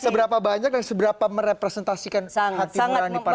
seberapa banyak dan seberapa merepresentasikan hati murani para nabi